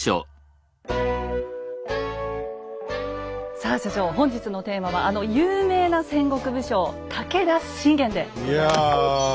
さあ所長本日のテーマはあの有名な戦国武将「武田信玄」でございます。